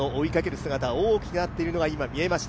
姿が大きくなっているのが見えました。